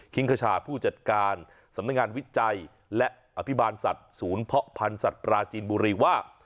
งคชาผู้จัดการสำนักงานวิจัยและอภิบาลสัตว์ศูนย์เพาะพันธุ์สัตว์ปราจีนบุรีว่า